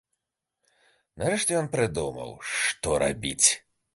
Нарэшце ён прыдумаў, што рабіць.